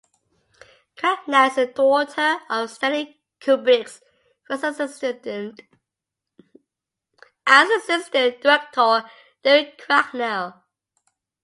Cracknell is the daughter of Stanley Kubrick's first assistant director Derek Cracknell.